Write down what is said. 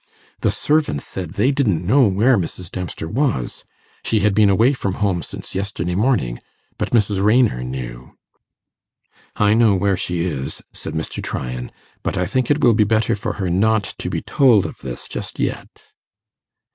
The servants said they didn't know where Mrs. Dempster was: she had been away from home since yesterday morning; but Mrs. Raynor knew.' 'I know where she is,' said Mr. Tryan; 'but I think it will be better for her not to be told of this just yet.